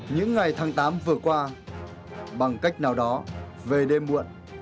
những ngày tháng tám vừa qua bằng cách nào đó về đêm muộn